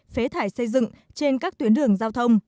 phế thải xây dựng trên các tuyến đường giao thông